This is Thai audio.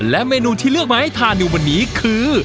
และเมนูที่เลือกมาให้ทานในวันนี้คือ